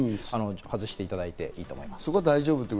外していただいていいと思います。